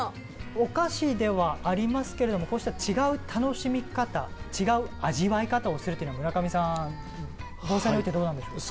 お菓子ではありますけれどもこうした違う楽しみ方違う味わい方をするっていうのは村上さん防災においてどうなんでしょうか？